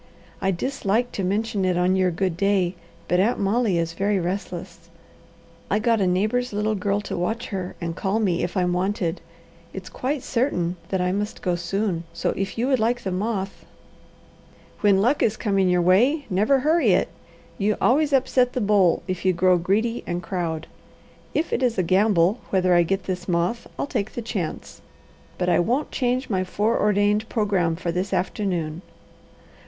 I dislike to mention it on your good day, but Aunt Molly is very restless. I got a neighbour's little girl to watch her and call me if I'm wanted. It's quite certain that I must go soon, so if you would like the moth " "When luck is coming your way, never hurry it! You always upset the bowl if you grow greedy and crowd. If it is a gamble whether I get this moth, I'll take the chance; but I won't change my foreordained programme for this afternoon.